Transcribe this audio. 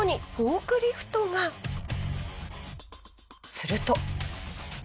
すると。